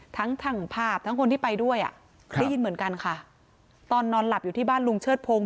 ทั้งถังภาพทั้งคนที่ไปด้วยอ่ะได้ยินเหมือนกันค่ะตอนนอนหลับอยู่ที่บ้านลุงเชิดพงศ